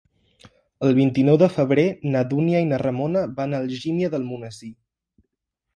El vint-i-nou de febrer na Dúnia i na Ramona van a Algímia d'Almonesir.